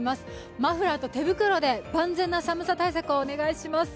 マフラーと手袋で万全な寒さ対策をお願いします。